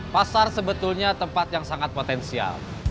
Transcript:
pasar sebetulnya tempat yang sangat potensial